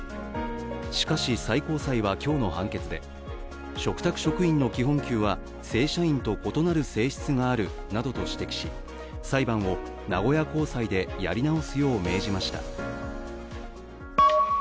しかし、最高裁は今日の判決で嘱託職員の基本給は正社員と異なる性質があるなどと指摘し裁判を名古屋高裁でやり直すよう命じました。